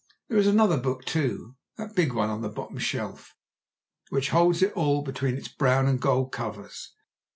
There is another book too—that big one on the bottom shelf—which holds it all between its brown and gold covers.